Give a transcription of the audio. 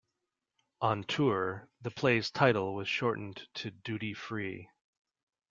On tour, the play's title was shortened to "Duty Free".